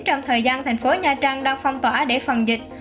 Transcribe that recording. trong thời gian thành phố nha trang đang phong tỏa để phòng dịch